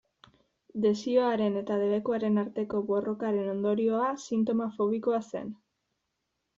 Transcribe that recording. Desioaren eta debekuaren arteko borrokaren ondorioa sintoma fobikoa zen.